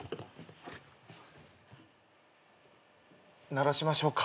鳴らしましょうか？